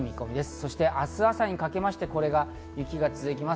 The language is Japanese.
そして明日朝にかけまして、これが雪が続いています。